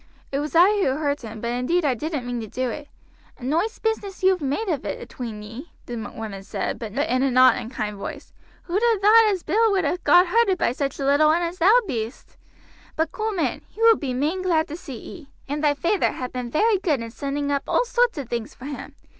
It was I who hurt him, but indeed I didn't mean to do it." "A noice bizness yoi've made of it atween ee," the woman said, but in a not unkind voice. "Who'd ha' thought as Bill would ha' got hurted by such a little un as thou be'st; but coom in, he will be main glad to see ee, and thy feyther ha' been very good in sending up all sorts o' things for him.